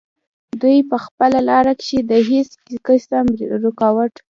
دوي پۀ خپله لاره کښې د هيڅ قسم رکاوټ